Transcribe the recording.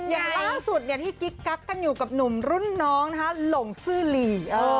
อย่างล่าสุดที่กิ๊กกักกันอยู่กับหนุ่มรุ่นน้องหลงซื่อหลี